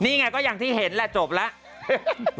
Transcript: นี่ไงก็อย่างที่เห็นแหละจบแล้ว